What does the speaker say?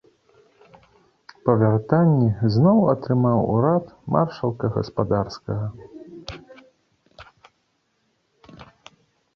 Па вяртанні зноў атрымаў урад маршалка гаспадарскага.